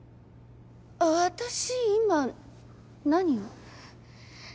私今何を？